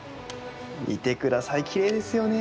見てください、きれいですよね。